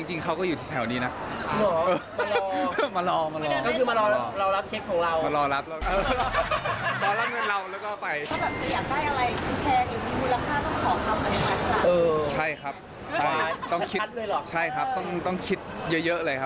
จริงเขาก็อยู่แถวนี้นะ